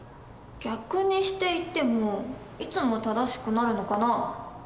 逆にして言ってもいつも正しくなるのかな？